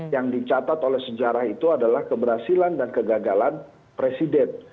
yang dicatat oleh sejarah itu adalah keberhasilan dan kegagalan presiden